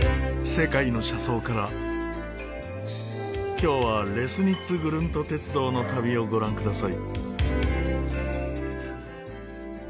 今日はレスニッツグルント鉄道の旅をご覧ください。